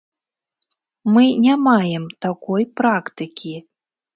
Мы не маем такой практыкі.